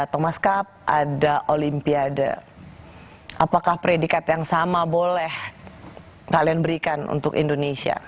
thomas cup ada olimpiade apakah predikat yang sama boleh kalian berikan untuk indonesia